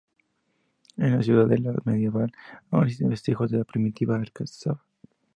En la ciudadela medieval aún existen vestigios de la primitiva alcazaba.